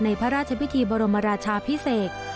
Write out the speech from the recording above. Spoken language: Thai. พระราชพิธีบรมราชาพิเศษ